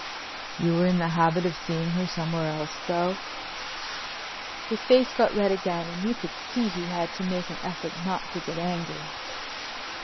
"You were in the habit of seeing her somewhere else, though?" His face got red again and you could see he had to make an effort not to get angry.